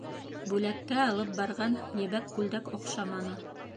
Бүләккә алып барған ебәк күлдәк оҡшаманы.